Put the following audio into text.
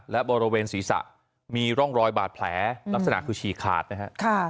และบริเวณศีรษะมีร่องรอยบาดแผลลักษณะคือฉี่ขาดนะฮะ